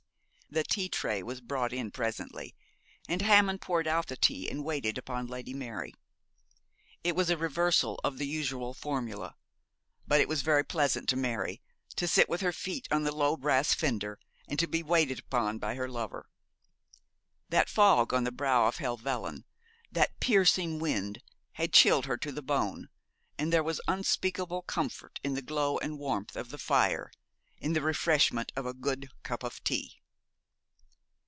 The tea tray was brought in presently, and Hammond poured out the tea and waited upon Lady Mary. It was a reversal of the usual formula but it was very pleasant to Mary to sit with her feet on the low brass fender and be waited upon by her lover. That fog on the brow of Helvellyn that piercing wind had chilled her to the bone, and there was unspeakable comfort in the glow and warmth of the fire, in the refreshment of a good cup of tea.